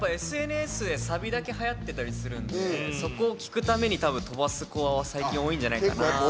ＳＮＳでサビだけはやってたりするのでそこを聞くために多分とばす子は最近多いんじゃないかな。